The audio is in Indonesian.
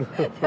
tidak ada tram